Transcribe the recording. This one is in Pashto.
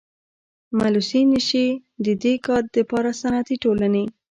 ملوثي نشي ددي کار دپاره صنعتي ټولني.